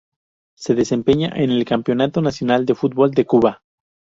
Se desempeña en el Campeonato Nacional de Fútbol de Cuba.